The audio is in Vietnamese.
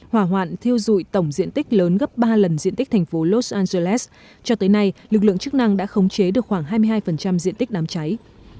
hỏa hoạn thiêu dụi tổng diện tích lớn gấp ba lần diện tích thành phố los angeles cho tới nay lực lượng chức năng đã khống chế được khoảng hai mươi hai diện tích đám cháy